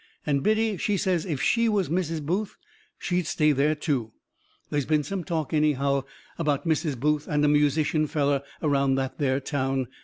And Biddy, she says if she was Mrs. Booth she'd stay there, too. They's been some talk, anyhow, about Mrs. Booth and a musician feller around that there town.